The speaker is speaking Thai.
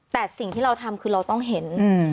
แต่สิ่งที่เราทำคือเราต้องเห็น